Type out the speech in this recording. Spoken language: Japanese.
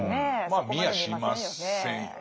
まあ見やしませんよね。